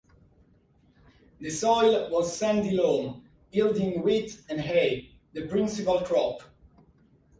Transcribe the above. The soil was sandy loam, yielding wheat and hay, the principal crop.